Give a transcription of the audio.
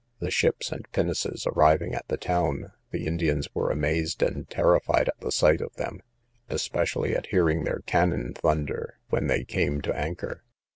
The ships and pinnaces arriving at the town, the Indians were amazed and terrified at the sight of them, especially at hearing their cannon thunder, when they came to anchor.